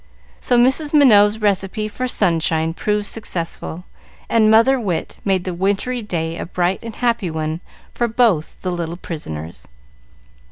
So Mrs. Minot's recipe for sunshine proved successful, and mother wit made the wintry day a bright and happy one for both the little prisoners.